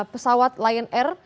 pesawat lion air